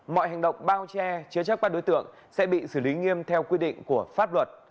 mọi hành động bao che chứa chắc qua đối tượng sẽ bị xử lý nghiêm theo quy định của pháp luật